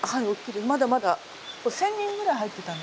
まだまだこれ１，０００人ぐらい入ってたので。